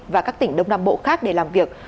và các tỉnh đông nam bộ khác để làm việc